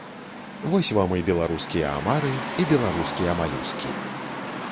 Вось вам і беларускія амары, і беларускія малюскі.